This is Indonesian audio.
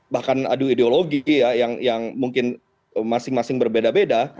bahkan adu ideologi ya yang mungkin masing masing berbeda beda